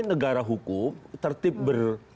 negara hukum tertib